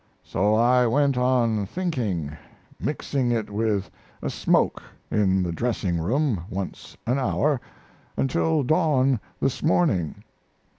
So I went on thinking mixing it with a smoke in the dressing room once an hour until dawn this morning.